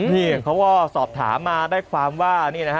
นี่เขาก็สอบถามมาได้ความว่า